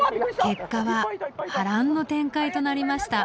結果は波乱の展開となりました。